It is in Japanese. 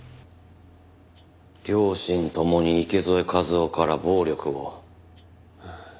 両親共に池添一雄から暴力を。